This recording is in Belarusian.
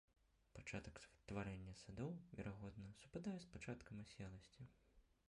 Пачатак стварэння садоў, верагодна, супадае з пачаткам аселасці.